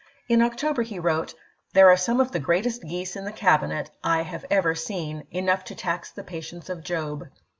In October he wrote :" There are some of the greatest geese in the Cabinet I have ever seen — enough to tax the patience of Job."